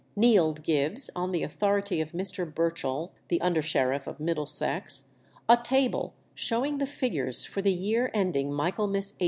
Neild gives, on the authority of Mr. Burchell, the under sheriff of Middlesex, a table showing the figures for the year ending Michaelmas 1802.